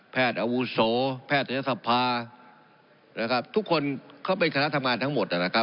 แพทย์อาวุโสแพทย์เทศภาทุกคนเขาเป็นคณะทำงานทั้งหมด